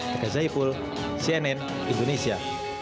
tk zaipul cnn indonesia